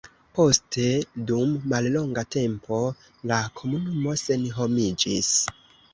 Poste dum mallonga tempo la komunumo senhomiĝis.